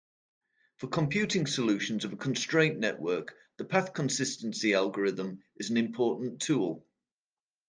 For computing solutions of a constraint network, the path-consistency algorithm is an important tool.